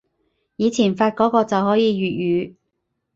以前發個個就可以粵語